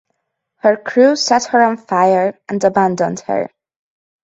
Her crew set her on fire and abandoned her.